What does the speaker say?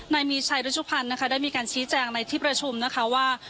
นายมีชัยรุชุพันธ์นะคะได้มีการชี้แจงในที่ประชุมนะคะว่า